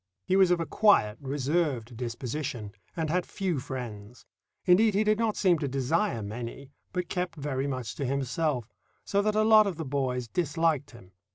He was of a quiet, reserved disposition, and had few friends. Indeed, he did not seem to desire many, but kept very much to himself, so that a lot of the boys disliked him.